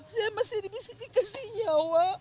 saya masih di sini kasih nyawa